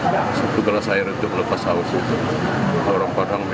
dari semua hakim dari semua hakim